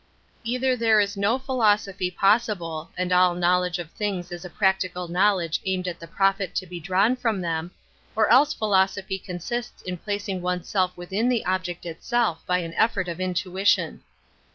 Either there is no philosophy possible, and all knowledge of things is a practical knowledge aimed at the profit to be drawn from them, or else philosophy consists in placing oneself with in the object itself by an effort of intuition.